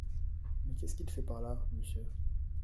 Mais qu’est-ce qu’il fait par là, Monsieur ?